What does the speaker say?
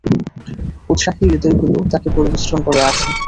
উৎসাহী হৃদয়গুলো তাঁকে পরিবেষ্টন করে আছে।